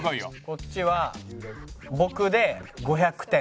こっちは僕で５００点。